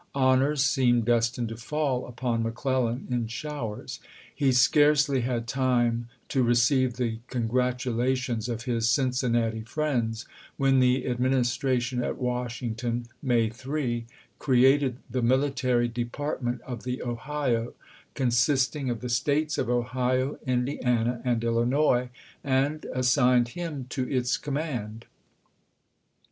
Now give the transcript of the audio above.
Honors seemed °i63.'^'" destined to fall upon McClellan in showers. He scarcely had time to receive the congratulations of his Cincinnati friends, when the Administration at Washington (May 3) created the military " Depart ment of the Ohio," consisting of the States of Ohio, Indiana, and Illinois, and assigned him to its com mand.